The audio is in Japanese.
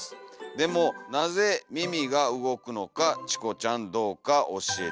でもなぜ耳がうごくのかチコちゃんどうか教えてください」。